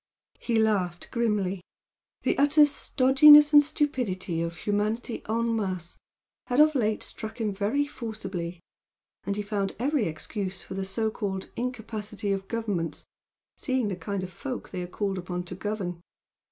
He laughed grimly, the utter stodginess and stupidity of humanity EN MASSE had of late struck him very forcibly, and he found every excuse for the so called incapacity of Governments, seeing the kind of folk they are called upon to govern.